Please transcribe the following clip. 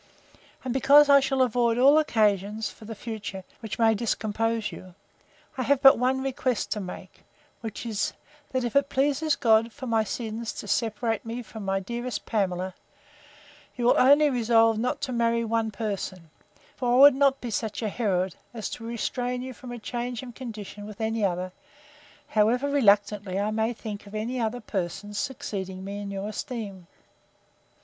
And because I shall avoid all occasions, for the future, which may discompose you, I have but one request to make; which is, that if it please God, for my sins, to separate me from my dearest Pamela, you will only resolve not to marry one person; for I would not be such a Herod, as to restrain you from a change of condition with any other, however reluctantly I may think of any other person's succeeding me in your esteem.